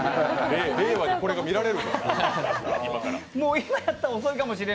令和にこれが見られるんだ今から。